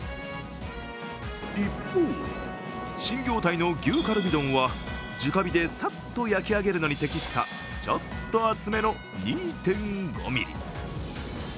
一方、新業態の牛かるび丼は直火でさっと焼き上げるのに適したちょっと厚めの２．５ミリ。